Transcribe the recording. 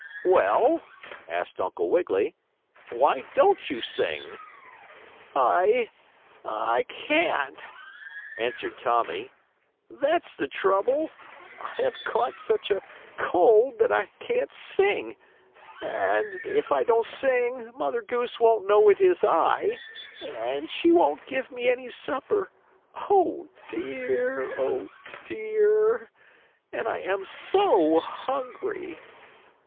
'" "Well?" asked Uncle Wiggily. "Why don't you sing?" "I I can't!" answered Tommie. "That's the trouble. I have caught such a cold that I can't sing. And if I don't sing Mother Goose won't know it is I, and she won't give me any supper. Oh, dear! Oh, dear! And I am so hungry!"